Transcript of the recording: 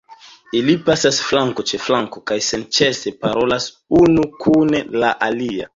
Ili pasas flanko ĉe flanko kaj senĉese parolas unu kun la alia.